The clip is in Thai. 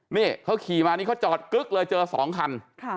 นี่เขาขี่มานี่เขาจอดกึ๊กเลยเจอ๒คัน